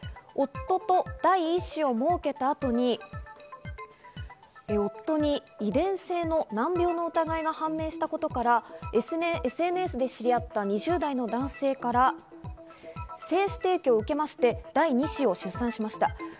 夫と第１子を設けた後に夫に遺伝性の難病の疑いが判明したことなどから、ＳＮＳで知り合った２０代の男性から精子提供を受けまして第２子を出産しました。